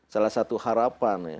salah satu harapan ya